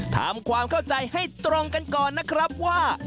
ทำความเข้าใจให้ตรงกันก่อนนะครับว่า